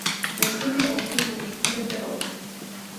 Deschide ochii bunicule te rog.